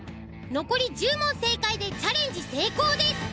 残り１０問正解でチャレンジ成功です。